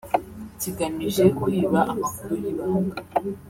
kigamije kwiba amakuru y’ibanga